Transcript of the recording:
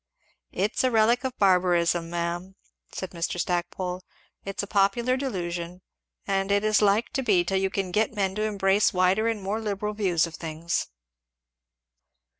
"It's a relic of barbarism, ma'am," said Mr. Stackpole; "it's a popular delusion and it is like to be, till you can get men to embrace wider and more liberal views of things."